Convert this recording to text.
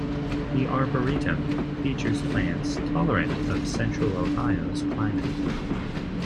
The Arboretum features plants tolerant of central Ohio's climate.